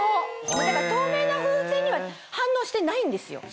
透明な風船には反応してないんですよ。